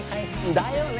だよね！